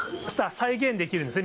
再現できるんですね？